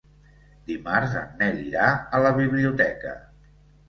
Dimarts en Nel irà a la biblioteca.